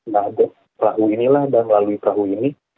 nah perahu inilah dan melalui perahu ini